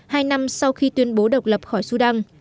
hai năm sau khi tuyên bố độc lập khỏi sudan